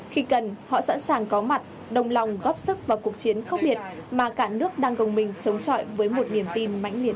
khi cần họ sẵn sàng có mặt đồng lòng góp sức vào cuộc chiến khốc biệt mà cả nước đang gồng mình chống chọi với một niềm tin mãnh liệt